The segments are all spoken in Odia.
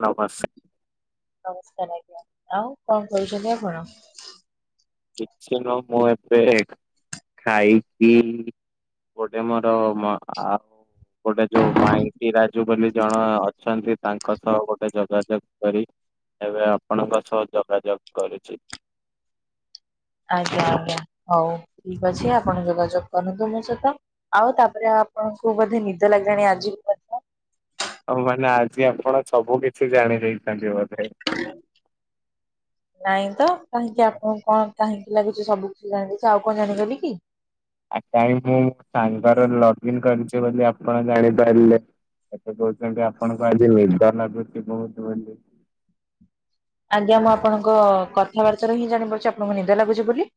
ନମସା ନମସ୍କାର ଆଜ୍ଞା ଆଉ କଣ ଶଞଇଛନ୍ତି ଆପଣ? କିଛି ନୁହଁ ମୁଁ ଏବେ ଖାଇ ପିଇ ଗୋଟେ ମୋର ମ ଆଉ ଗୋଟେ ଯୋଉ ମାଇକି ରାଜୁ ବୋଲି ଜଣେ ଅଛନ୍ତି ତାଙ୍କ ସହ ଗୋଟେ ଯୋଗାଯୋଗ କରି ଏବେ ଆପଣଙ୍କ ସହ ଯୋଗାଯୋଗ କରୁଛି। ଆଜ୍ଞା ଆଜ୍ଞା ହଉ ଠିକ୍ ଅଛି ଆପଣ ଯୋଗାଯୋଗ କରନ୍ତୁ ମୋ ସହିତ। ଆଉ ତାପରେ ଆପଣଙ୍କୁ ବୋଧେ ନିଦ ଲାଗିଲାଣି ଆଜି। ମଧ୍ୟ। ତ ମାନେ ଆଜି ଆପଣ ସବୁ କିଛି ଜାଣି ଦେଇଛନ୍ତି ବୋଧେ। ହ ନାଇଁ ତ କାହିଁକି ଆପଣଙ୍କୁ କଣ କାହିଁକି ଲାଗୁଚି ସବୁ କିଛି ଜାଣିଚି ଆଉ କଣ ଜାଣିଗଲି କି? ଆକାଉଣ୍ଟ ମୁଁ ସାଙ୍ଗରେ ଲଗ୍ ଇନ କରିଚେ ବୋଲି ଆପଣ ଜାଣିପାଇଲେ। ଏତେ କହୁଚନ୍ତି ଆପଣଙ୍କୁ ଆଜି ନିଦ ନାଗୁଚି ବହୁତ ବୋଲି। ଆଜ୍ଞା ମୁଁ ଆପଣଙ୍କ କଥାବାର୍ତ୍ତାରୁ ହିଁ ଜାଣିପାରୁଚି ଆପଣଙ୍କୁ ନିଦ ଲାଗୁଚି ବୋଲି।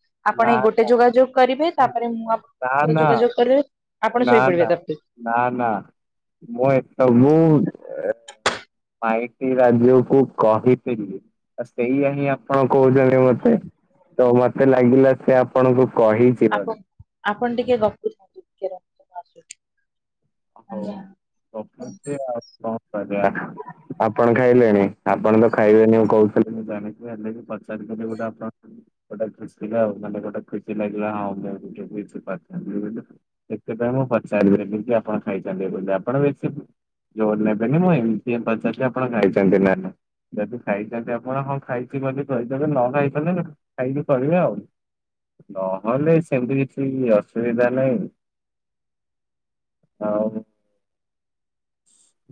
ନା ଆପଣ ଏଇ ଗୋଟେ ଯୋଗାଯୋଗ କରିବେ ତାପରେ ମୁଁ ଆପଣଙ୍କୁ ଗୋଟେ ଥର ଯୋଗାଯୋଗ କରିବେ। ଆପଣ ନାଁ ଶୋଇପଡିବେ ନାଁ ତାପରେ ନାଁ ନାଁ ମୁଁ ଏ ସବୁ ୱାଇକି ରାଜୁଅକୁ କହିଥିଲି ତ ସେଇଆ ହିଁ ଆପଣ କହୁଛନ୍ତି ମତେ। ତ ମତେ ଲାଗିଲା ସେ ଆପଣଙ୍କୁ କହି ଆପଣ ଆପଣ ଟିକେ ଗପୁଥାନ୍ତୁ ଟିକେ ରଖ ମୁଁ ଆସୁଚି। ହଉ ଗପୁଚି ଆଉ କଣ କରିବା? ଆପଣ ଖାଇଲେଣି ଆପଣ ତ ଖାଇବେନି ଉଁ କହୁଥୁଲେ ମୁଁ ଜାଣିଚି ହେଲେ ବି ପଚାରି ଦେଲି ଗୋଟେ ଅପ ଗୋଟେ ଖୁସି ଆଉ ମାନେ ଗୋଟେ ଖୁସି ଲାଗିଲା ହଁ ମୁଁ ବି କିଛି କିଛି ପଚାରିଲି ବୋଲି। ସେଥିପାଇଁ ମୁଁ ପଚାରିଦେଲି କି ଆପଣ ଖାଇଛନ୍ତି ବୋଲି ଆପଣ ବେଶୀ ବି ଜୋର ନେବେନି ମୁଁ ଏମିତି ହିଁ ପଚାରିଲି ଆପଣ ଖାଇଛନ୍ତି ନାଁ ନାଇଁ। ଯଦି ଖାଇଛନ୍ତି ଆପଣ ହଁ ଖାଇଚି ବୋଲି କହିଦେବେ ନ ଖାଇଥିଲେ ଖାଇବି କହିବେ ଆଉ। ନହେଲେ ସେମିତି କିଛି ଅସୁବିଧା ନାହିଁ। ହଉ।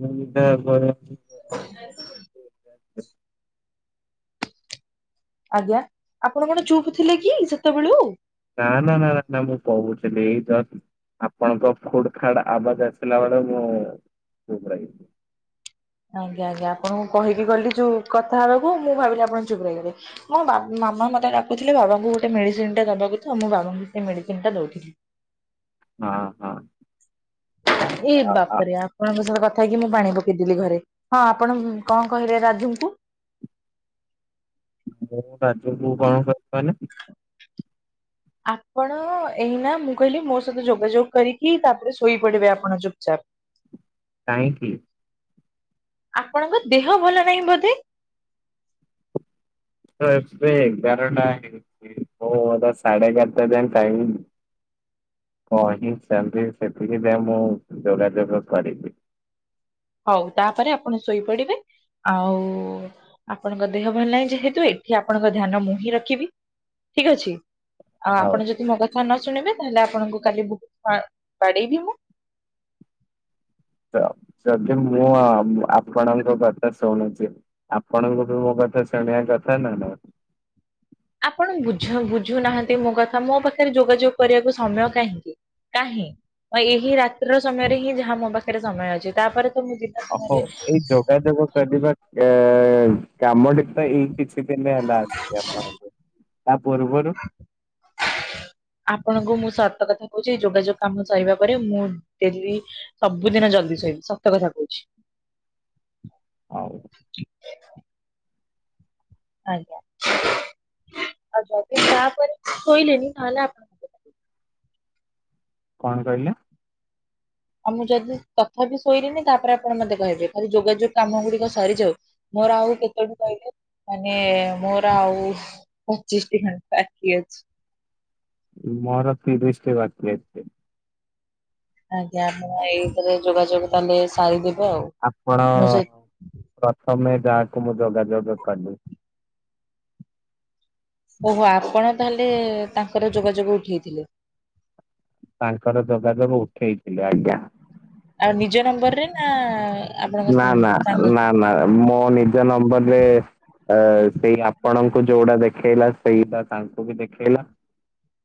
ମୁଁ ବିଦା ଫୋନ [inaudible] [inaudible] [inaudible] ଆଜ୍ଞା ଆପଣ କଣ ଚୁପ୍ ଥିଲେ କି ସେତବେଳୁ? ନାଁ ନାଁ ମାରା ନାଁ ମୁଁ କହୁଥିଲି ଏଇ ଜଷ୍ଟ୍ ଆପଣଙ୍କ ଖୁଡୁ଼ ଖାଡ଼୍ ଆବାଜ ଆସିଲା ବେଳେ ମୁଁ ଚୁପ୍ ରହିଲି। ଆଜ୍ଞା ଆଜ୍ଞା ଆପଣଙ୍କୁ କହିକି ଗଲି ଯୋଉ କଥା ହବାକୁ ମୁଁ ଭାବିଲି ଆପଣ ଚୁପ୍ ରହିଗଲେ। ମୋ ମା ମାମା ମତେ ଡାକୁୁଥୁଲେ ବାବାଙ୍କୁ ଗୋଟେ ମେଡ଼ିସିନ୍ ଟେ ଦବାକୁ ତ ମୁଁ ବାବାଙ୍କୁ ସେ ମେଡ଼ିସିନ୍ ଟା ଦଉଥିଲି। ହଁ ହଁ। ଏଇ ବାପରେ ଆ ପଣଙ୍କ ସହ କଥା ହେଇକି ମୁଁ ପାଣି ପକେଇଦେଲି ଘରେ। ହଁ ଆପଣ କଁ କହିଲେ ରାଧୁଙ୍କୁ? ମୁଁ ରାଧୁଙ୍କ କଣ କହିଲି ମାନେ? ଆପଣ ଏଇନା ମୁଁ କହିଲି ମୋ ସହିତ ଯୋଗାଯୋଗ କରିକି ତାପରେ ଶୋଇପଡି଼ବେ ଆପଣ ଚୁପଚାପ୍। କାହିଁକି? ଆପଣଙ୍କ ଦେହ ଭଲ ନାହିଁ ବୋଧେ। [unintelligible] ସାଢେ ଏଗାରଟା ଯାଏଁ ଟାଇମ ନି। କହି ସାଇଲେ ସେତିକି ଯାଏ ମୁଁ ଯୋଗାଯୋଗ କରିବି। ହଉ ତାପରେ ଆପଣ ଶୋଇପଡିବେ। ଆଉ ଆପଣଙ୍କ ଦେହ ଭଲ ନାହିଁ ଯେହେତୁ ଏଠି ଆପଣଙ୍କ ଧ୍ୟାନ ମୁଁ ହିଁ ରଖିବି। ଠିକ୍ ଅଛି। ଆଉ ହଉ ଆପଣ ଯଦି ମୋ କଥା ନ ଶୁଣିବେ ତାହେଲେ ଆପଣଙ୍କୁ କାଲି ବୁ ଆ ବାଡେଇବି ମୁଁ। ତ ଯଦି ମୁଁ ଆପଣଙ୍କ କଥା ଶୁଣୁଛି। ଆପଣଙ୍କୁ ବି ମୋ କଥା ଶୁଣିବା କଥା ନା ନାଇଁ। ଆପଣ ବୁଝ ବୁଝୁନାହାନ୍ତି ମୋ କଥା ମୋ ପାଖରେ ଯୋଗାଯୋଗ କରିବାକୁ ସମୟ କାହିଁକି? କାହିଁ ଏହି ରାତ୍ର ସମୟରେ ହିଁ ଯାହା ମୋ ପାଖରେ ସମୟ ଅଛି ତାପରେ ତ ମୁଁ ଜି ଓହୋ ଏଇ ଯୋଗାଯୋଗ କରିବା ଏ କା କାମଟି ପା ଏଇ କିଛି ଦିନ ହେଲା ଆସିଛି ଆପଣଙ୍କୁ ତା ପୂର୍ବରୁ। ଆପଣଙ୍କୁ ମୁଁ ସତ କଥା କହୁଚି ଏଇ ଯୋଗାଯୋଗ କାମ ସାରିବା ପରେ ମୁଁ ଡେଲି ସବୁଦିନ ଜଲ୍ଦି ସୋଇବି ସତ କଥା କହୁଚି। ହଉ। ଆଜ୍ଞା ଆଉ ଯଦି ତାପରେ ଶୋଇଲିନି ତାହେଲେ ଆପ କଣ କହିଲେ? ଆଉ ମୁଁ ଯଦି ତଥାପି ଶୋଇଲିନି ତାପରେ ଆପଣ ମତେ କହିବେ ଖାଲି ଯୋଗାଯୋଗ କାମ ଗୁଡିକ ସରିଯାଉ। ମୋର ଆଉ କେତୋଟି କହିଲେ ମାନେ ମୋର ଆଉ ପଚିଶଟି ହିଁ ବାକି ଅଛି। ମୋର ତିରିଶି ଟି ବାକି ଅଛି। ଆଜ୍ଞା ଆପଣ ଏଇଥିରେ ଯୋଗାଯୋଗ ତାହେଲେ ସାରିଦେବେ ଆଉ। ଆପଣ ମୋ ସହିତ ପ୍ରଥମେ ଯାହାକୁ ମୁଁ ଯୋଗାଯୋଗ କଲି। ଓହୋ ଆପଣ ତାହେଲେ ତାଙ୍କର ଯୋଗାଯୋଗ ଉଠେଇଥିଲେ। ତାଙ୍କର ଯୋଗାଯୋଗ ଉଠେଇଥିଲେ ଆଜ୍ଞା। ଆଉ ନିଜ ନମ୍ବରରେ ନା ଆପଣଙ୍କ ନା ନା ସାଙ୍ଗ ନା ନା ମୋ ନିଜ ନମ୍ବରରେ ଆ ସେଇ ଆପଣଙ୍କୁ ଯଉଟା ଦେଖେଇଲା ସେଇଟା ତାଙ୍କୁ ବି ଦେଖେଇଲା।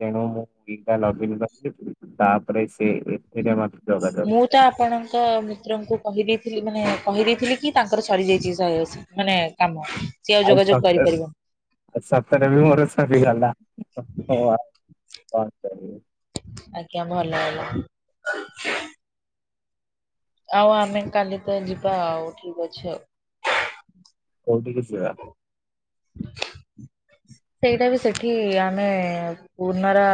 ତେଣୁ ମୁଁ [unintelligible] ଲଗଇନ କରିଥିଲି ତାପରେ ସେ ଏ ମୁଁ ତ ଆପଣଙ୍କ ମିତ୍ରଙ୍କୁ କହିଦେଇଥିଲି ମାନେ କହିଦେଇଥିଲି କି ତାଙ୍କର ସରିଯାଇଛି ଶହେ ଅଶି ମାନେ କାମ। ସିଏ ଆଉ ଯୋଗାଯୋଗ ସତେ କରିପାରିବନି ଆଉ ସତରେ ବି ମୋର ସରିଗଲା ହଁ ବା କଣ କରିବି। ଆଜ୍ଞା ଭଲ ହେଲା। ଆଉ ଆମେ କାଲି ତ ଯିବା ଆଉ ଠିକ ଅଛି ଆଉ। କଉଠିକି କି ଯିବା? ସେଇଟା ବି ସେଠି ଆମେ ପୁନର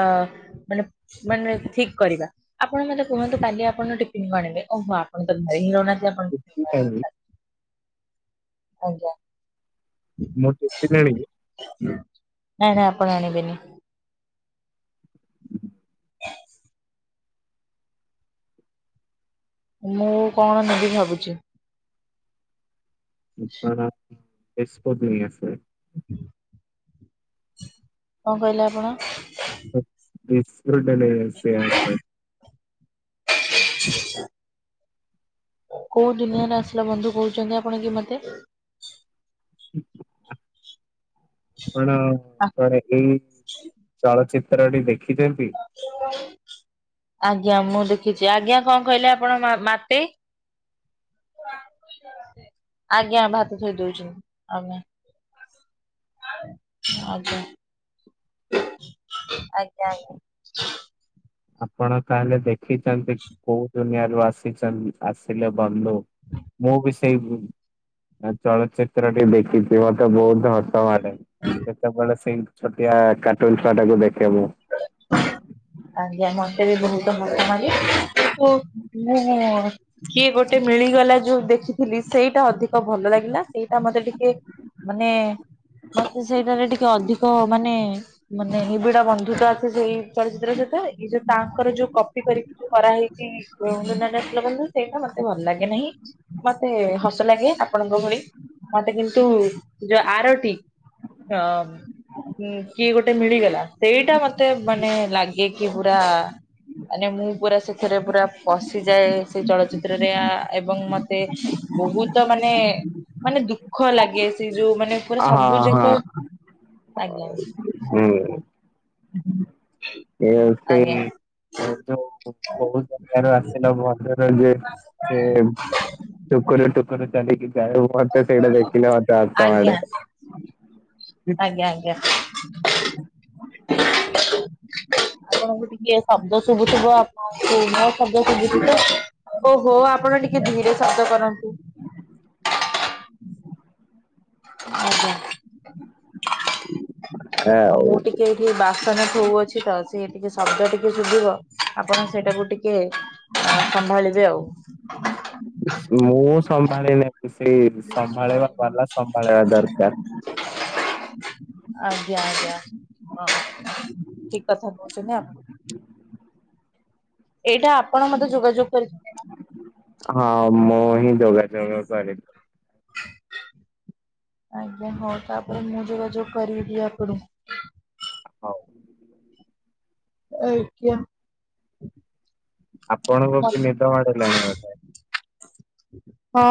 ମାନେ ମାନେ ଠିକ କରିବା। ଆପଣ ମତେ କୁହନ୍ତୁ କାଲି ଆପଣ ଯଉ ଟିଫିନ ଆଣିଲେ ଓହୋ ଆପଣ ତ [unintelligible] ଆଣିବେ? [unintelligible] ଆଜ୍ଞା। ମୁ ଟିଫିନ ଆଣିବି। ନାଇଁ ନାଇଁ ଆପଣ ଆଣିବେନି। ମୁଁ କଣ ନେବି ଭାବୁଚି। [unintelligible] ଏକ୍ସପଟ ନେଇଆସିବେ। କଁ କହିଲେ ଆପଣ? [unintelligible] ନେଇ ଆସିଆ ପାଇଁ। [inaudible] କୋଉ ଦୁନିଆରେ ଆସିଲ ବନ୍ଧୁ କହୁଚନ୍ତି ଆପଣ କି ମତେ? କଣ ଆ- କରେକି ଚଳଚି ତ୍ରଟି ଦେଖିଦିନ୍ତି। [inaudible] ଆଜ୍ଞା ମୁଁ ଦେଖିଚି ଆଜ୍ଞା କଣ କହିଲେ ଆପଣ ମା ମାଟି। ଆଜ୍ଞା ଭାତ ଥୋଇ ଦଉଚୁ ଆଜ୍ଞା। ଆଜ୍ଞା ଆଜ୍ଞା ଆଜ୍ଞା। ଆପଣ ତାହେଲେ ଦେଖିଚନ୍ତି କୋଉ ଦୁନିଆରୁ ଆସିଚନ୍ତି। ଆସିଲ ବନ୍ଧୁ ମୁଁ ବି ସି ସେଇ ଚଳଚିତ୍ରଟି ଦେଖିଚି ମତେ ବହୁତ ହ ହସ ମାଡେ ଯେତେବେଳେ ସେଇ ଛୋଟିଆ କାର୍ଟୁନ ଛୁଆ ଟାକୁ ଦେଖେ ମୁଁ। ଆଜ୍ଞା ମତେ ବି ବହୁତ ହସମାଡେ କିନ୍ତୁ ମୁଁ କିଏ ଗୋଟେ ମିଳିଗଲା ଯୋଉ ଦେଖିଥିଲି ସେଇଟା ଅଧିକ ଭଲ ଲାଗିଲା ସେଇଟା ମତେ ଟିକେ ମାନେ ମତେ ସେଇଟାରେ ଟିକେ ଅଧିକ ମାନେ ମାନେ ନିବିଡ ବନ୍ଧୁତା ଆଛି ସେଇ ଚଳ ଚିତ୍ର ସହିତ ଏ ଯୋଉ ତାଙ୍କର ଯୋଉ କପି କରିକି ଯୋଉ କରାହେଇଚି କେଉଁ ଦୁନିଆରୁ ଆସିଲ ବନ୍ଧୁ ସେଇଟା ମତେ ଭଲ ଲାଗେ ନେହିଁ। ମତେ ହସ ଲାଗେ ଆପଣଙ୍କ ଭଳି ମତେ କିନ୍ତୁ ଯୋଉ ଆରଟି ର ହୁଁ କିଏ ଗୋଟେ ମିଳିଗଲା ସେଇଟା ମତେ ମାନେ ଲା ଗେ କି ପୁରା ମାନେ ମୁଁ ପୁରା ସେଥିରେ ପୁରା ପଶିଯାଏ ସେ ଚଳଚିତ୍ର ରେ ଆ ଏବଂ ମତେ ବୋହୁତ ମାନେ ମାନେ ଦୁଃଖ ଲାଗେ ସେ ଯୋଉ ମାନେ ପୁରା ଆ ହ ସବୁ ହଁ ଯାକ ଆଜ୍ଞା ହୁଁ। [inaudible] ଇଏ ସେଇ ଆଜ୍ଞା ଯୋଉ କୋଉ ଦୁନିଆଁରୁ ଆସିଲ ବନ୍ଧୁ ରେ ଯେ ସେ ଟୁକୁରୁ ଟୁକୁରୁ ଚାଲିକି ଯାଏ। ମତେ ସେଇଟା ଦେଖିଲେ ମତେ ହସ ଆଜ୍ଞା ହସମାଡେ। ଆଜ୍ଞା ଆଜ୍ଞା। ଆପଣଙ୍କୁ ଟିକେ ଶବ୍ଦ ଶୁବୁଥିବ ଆପଣଙ୍କୁ ମୋ ଶବ୍ଦ ଶୁବୁଚିତ ଓହୋ ଆ ଆପଣ ଟିକେ ଧୀରେ ଶବ୍ଦ କରନ୍ତୁ। ଆଜ୍ଞା ଆଉ ଆଉ ମୁଁ ଟିକେ ବାସନ ଧୋଉ ଅଛି ତ ସିଏ ଟିକେ ଶବ୍ଦ ଟିକେ ଶୁବିବ ଆପଣ ସେଇଟାକୁ ଟିକେ ହଁ ସମ୍ଭାଳିବେ ଆଉ। ମୁଁ ସମ୍ଭାଳି ନେବି ସେଇ ସମ୍ଭାଳିବା ବାଲା ସମ୍ଭାଳିବା ଦରକାର। [inaudible] ଆଜ୍ଞା ଆଜ୍ଞା ହଁ ଠିକ କଥା କହୁଚନ୍ତି ଆମ ଏଇଟା ଆପଣ ମତେ ଯୋଗାଯୋଗ କରିଛନ୍ତି। ନା? ହଁ ମୁଁ ହିଁ ଯୋଗାଯୋଗ କରେ।। [unintelligible] ଆଜ୍ଞା ହଉ ତାପରେ ମୁଁ ଯୋଗାଯୋଗ କରିବି ଆପଣଙ୍କୁ। ହଉ ଦେଖିଆ। ଆପଣଙ୍କୁ ବି ନିଦ ମାଡିଲାଣି ବୋଧି। [inaudible] ହଁ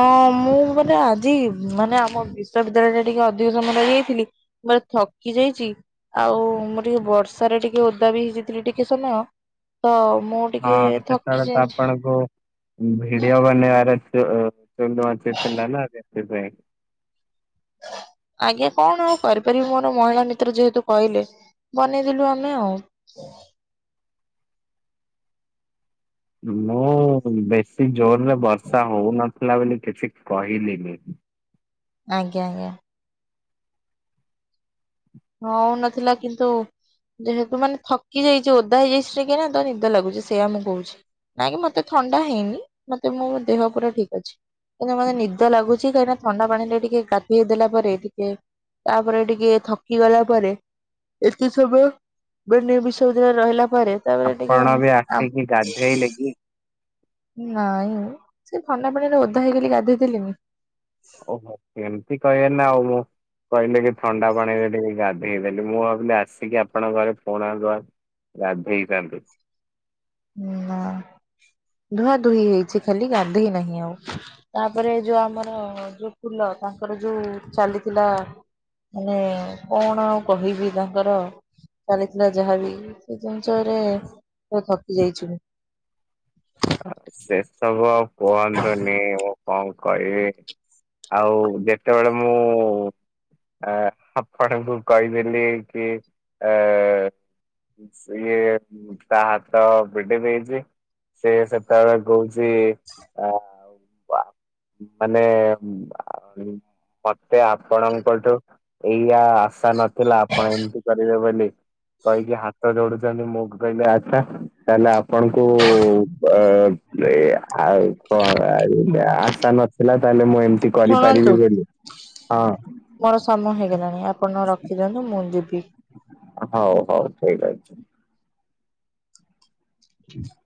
ମୁଁ ମାନେ ଆଜି ମାନେ ଆମ ବିଶ୍ବବିଦ୍ୟାଳୟରେ ଟିକେ ଅଧିକ ସମୟ ରଇଯାଇଥିଲି। ମାନେ ଥକି ଯାଇଚି। ଆଉ ମୁଁ ଟିକେ ବର୍ଷାରେ ଟିକେ ଓଦା ବି ହେଇଯାଇଥିଲି ଟିକେ ସମୟତ ମୁଁ। ଟିକେ ହଁ ଥକ୍। ସେତେବେଳେ ଆପଣଙ୍କୁ ଭିଡିଓ ବନେଆରେ ଥିଲାନା ସେଥିପାଇଁ। ଆଜ୍ଞା କଣ ଆଉ କରିପାରିବି ମୋର ମହିଳା ମିତ୍ର ଯେହେତୁ କଇଲେ ବନେଇଦଲୁ ଆମେ ଆଉ। [unintelligible] ମୁଁ ବେଶୀ ଜୋରରେ ବର୍ଷା ହଉନଥିଲା ବୋଲି କିଛି କହିଲିନି। ଆଜ୍ଞା ଆଜ୍ଞା। ହଉନଥିଲା କିନ୍ତୁ। ଯେହେତୁ ମାନେ ଥକି ଯାଇଚି ଓଦା ହେଇଯାଇଛି ଟିକେ ନା ତ ନିଦ ଲାଗୁଚି ସେୟା ମୁଁ କହୁଛି। ନାଇଁ କି ମତେ ଥଣ୍ଡା ହେଇନି ମତେ ମୋ ଦେହ ପୁରା ଠିକ୍ ଅଛି। ମାନେ ନିଦ ଲାଗୁଚି କାହିଁକିନା ଥଣ୍ଡା ପାଣିରେ ଟିକେ ଗାଧେଇ ଦେଲା ପରେ ଟିକେ। ତାପରେ ଟିକେ ଥକ। କି ଗଲା ପରେ ଏତି ବନ୍ୟ ବିଶ୍ୱବିଦ୍ୟାଳୟରେ ରହିଲା ପରେ। ତାପରେ ଟିକେ ଆପଣ ବି ଆମ୍ପ। ଆସିକି [unintelligible] ନାଇଁ ସେ ଥନା ପାଣିରେ ଓଦା ହେଇଗଲି ଗାଧେଇଥିଲିନି। ଓହୋ ଏମ୍ତି କହିବେନା ଆଉ ମୁଁ। କହିଲେ କି ଥଣ୍ଡା ପାଣିରେ ଟିକେ ଗାଧେଇ ଦେଲି ଆସିକି ଆପଣଙ୍କ ଘରେ ଫୋନ୍। ଗାଧେଇ ଥାନ୍ତି। ନା ଧୁଆଁ ଦୁହି ହେଇଚି ଖାଲି ଗାଧେଇ ନାହିଁ ଆଉ। ତାପରେ ଯୋଉ ଆମର ଯୋଉ ଫୁଲ ତାଙ୍କର ଯୋଉ ଚାଲିଥିଲା। ମାନେ କଣ ଆଉ କହିବି ତାଙ୍କର ଚାଲିଥିଲା ଯାହାବି ସେ ଜିନିଷରେ ଥକି ଯାଇଛୁ ମୁଁ। ସେ ସବୁ ଆଉ କୁହନ୍ତୁନି ମୁଁ କଣ କହିବି। ଆଉ ଯେତେବେଳେ ମୁଁ ଆ ଆପଣଙ୍କୁ କହିଦେଲି କି ଆ। ସିଏ ତା ହାତ ପିଟି ଦେଇଚି। ସେ ସେତେବେଳେ କହୁଚି ଆ ୱା। ମାନେ ମତେ ଆପଣଙ୍କଠୁ ଏଇଆ ଆ ଆଶା ନଥିଲା ଆପଣ ଏମିତି କରିବେ ବୋଲି କହିକି ହାତ ଯୋଡୁ। ମୁଁ କହିଲି ଆଚ୍ଛା ତାହେଲେ ଆପଣଙ୍କୁ। ଆଶା ନଥିଲା ତାହେଲେ ମୁଁ ଏମତି କରି। ଶୁଣନ୍ତୁ ପାରିିବି ବୋଲି ହଁ। ମୋର ସମୟ ହେଇଗଲାଣି ଆପଣ ରଖିଦିଅନ୍ତୁ ମୁଁ ଯିବି। ଆ ହଉ ହଉ ଠିକ୍ ଅଛି। [unintelligible]